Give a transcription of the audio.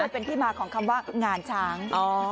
เป็นที่มาของคำว่างานช้าง